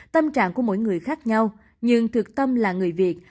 tâm trạng của mỗi người khác nhau nhưng thực tâm là người việt